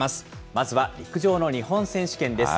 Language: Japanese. まずは陸上の日本選手権です。